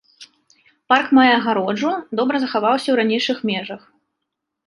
Парк мае агароджу, добра захаваўся ў ранейшых межах.